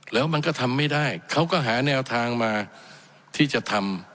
แล้วมันก็ทำไม่ได้เขาก็หาแนวทางมาที่จะทำ